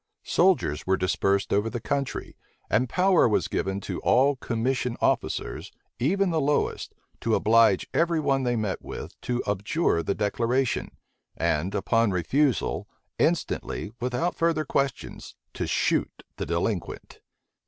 Soldiers were dispersed over the country, and power was given to all commission officers, even the lowest, to oblige every one they met with to abjure the declaration; and, upon refusal, instantly, without further questions, to shoot the delinquent.